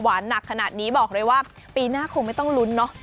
หนักขนาดนี้บอกเลยว่าปีหน้าคงไม่ต้องลุ้นเนาะ